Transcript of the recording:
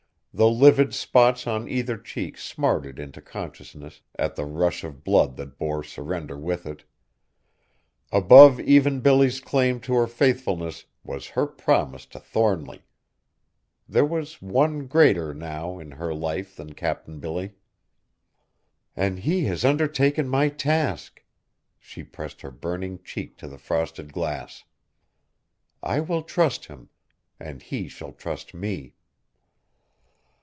The livid spots on either cheek smarted into consciousness at the rush of blood that bore surrender with it. Above even Billy's claim to her faithfulness was her promise to Thornly! There was one greater, now, in her life than Cap'n Billy. "And he has undertaken my task!" She pressed her burning cheek to the frosted glass. "I will trust him, and he shall trust me!"